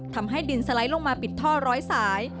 ทำให้ดินสไลด์ลงมาปิดท่อร้อยสาย